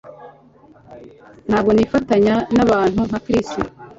Ntabwo nifatanya nabantu nka Chris